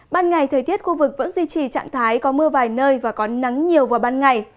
ban ngày thời tiết khu vực vẫn duy trì trạng thái có mưa vài nơi và có nắng nhiều vào ban ngày